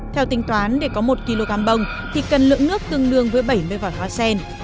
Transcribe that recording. theo tính toán để có một kg bông thì cần lượng nước tương đương với bảy mươi vải hoa sen